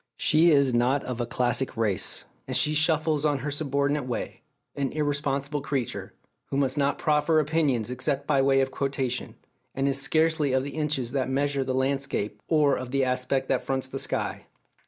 She is not of a classic race, and she shuffles on her subordinate way, an irresponsible creature, who must not proffer opinions except by way of quotation, and is scarcely of the inches that measure the landscape or of the aspect that fronts the sky.